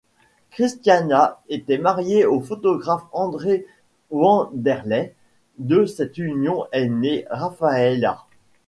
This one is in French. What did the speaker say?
Cristiana était mariée au photographe André Wanderley, de cette union est née Rafaella.